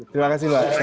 terima kasih pak